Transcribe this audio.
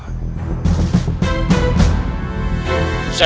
kalian kembali dengan selama